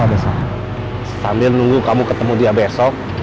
sambil nunggu kamu ketemu dia besok